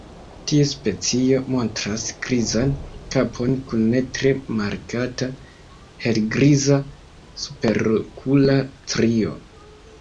Tiu specio montras grizan kapon kun ne tre markata helgriza superokula strio.